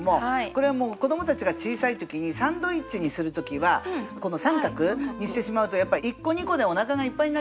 これは子どもたちが小さい時にサンドイッチにする時は三角にしてしまうとやっぱり１個２個でおなかがいっぱいになっちゃうんですよ。